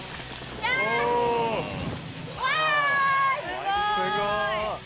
すごい！